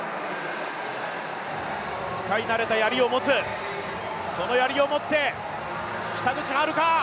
使い慣れたやりを持つ、そのやりを持って北口榛花